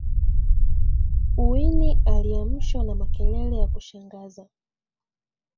winnie aliamshwa na makelele ya kushangaza